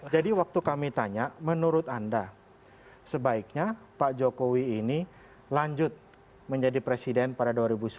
jadi waktu kami tanya menurut anda sebaiknya pak jokowi ini lanjut menjadi presiden pada dua ribu sembilan belas